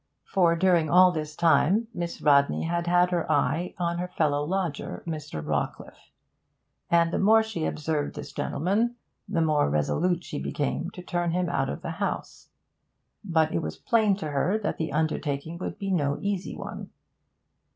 For, during all this time, Miss Rodney had had her eye on her fellow lodger, Mr. Rawcliffe, and the more she observed this gentleman, the more resolute she became to turn him out of the house; but it was plain to her that the undertaking would be no easy one.